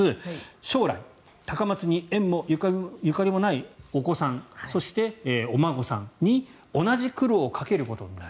将来、高松に縁もゆかりもないお子さんそしてお孫さんに同じ苦労をかけることになる。